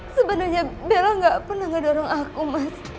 sebenarnya bella gak pernah ngedorong aku mas